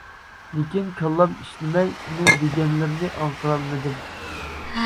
لېكىن كاللام ئىشلىمەي ئۇنىڭ دېگەنلىرىنى ئاڭقىرالمىدىم.